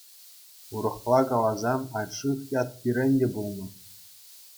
Урӑхла каласан, Альших ят пирӗн те пулнӑ.